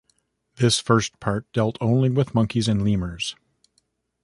This first part dealt only with monkeys and lemurs.